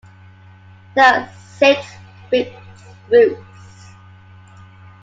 There are six fixed-routes.